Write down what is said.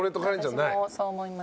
私もそう思います。